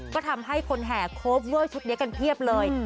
ก็ทำให้คนแห่โคเวอร์ชุดนี้กันเพียบเลย